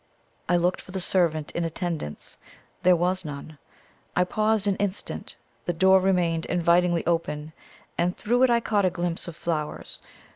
I looked for the servant in attendance there was none. I paused an instant; the door remained invitingly open, and through it I caught a glimpse of flowers.